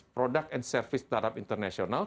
produk dan servis startup internasional